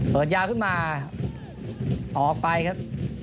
เปิดยาวขึ้นมาออกไปครับ